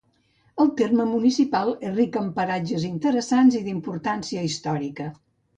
El terme municipal és ric en paratges interessants i d'importància històrica